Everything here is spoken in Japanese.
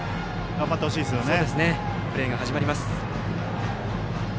頑張ってほしいですね。